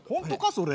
それ。